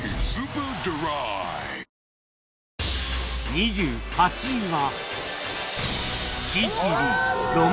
２８位は